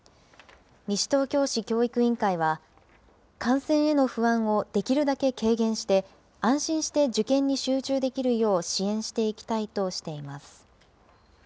西東京市教育委員会は、感染への不安をできるだけ軽減して、安心して受験に集中できるよう支援していきたいとしています。